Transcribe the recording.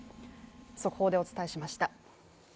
速報でお伝えしました。